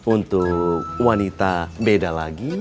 untuk wanita beda lagi